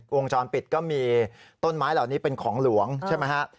วงจรปิดก็มีต้นไม้เหล่านี้เป็นของหลวงใช่ไหมฮะ